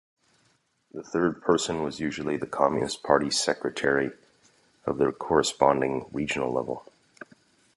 The third person was usually the Communist Party secretary of the corresponding regional level.